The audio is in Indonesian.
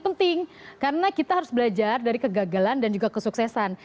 penting karena kita harus belajar dari kegagalan dan juga kesuksesan